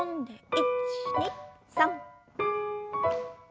１２３。